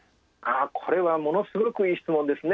あこれはものすごくいい質問ですね。